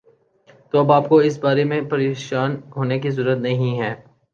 تو اب آ پ کو اس بارے میں پریشان ہونے کی ضرورت نہیں ہے